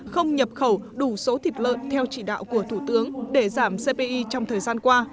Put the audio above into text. không nhập khẩu đủ số thịt lợn theo chỉ đạo của thủ tướng để giảm cpi trong thời gian qua